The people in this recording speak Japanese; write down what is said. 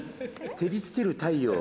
照りつける太陽！」。